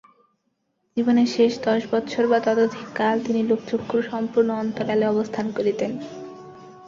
জীবনের শেষ দশ বৎসর বা ততোধিক কাল তিনি লোকচক্ষুর সম্পূর্ণ অন্তরালে অবস্থান করিতেন।